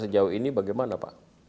jauh ini bagaimana pak